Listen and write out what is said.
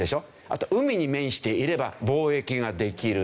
あと海に面していれば貿易ができる。